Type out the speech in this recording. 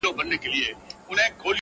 یو ګړی یې خپل کورګی او ځنګل هېر کړ -